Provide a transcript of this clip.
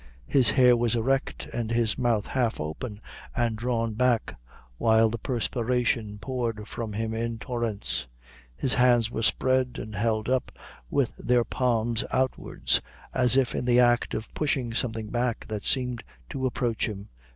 His hair was erect, and his mouth half open, and drawn back; while the perspiration poured from him in torrents. His hands were spread, and held up, with their palms outwards, as if in the act of pushing something back that seemed to approach him.